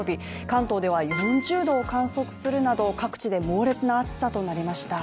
関東では４０度を観測するなど各地で猛烈な暑さとなりました。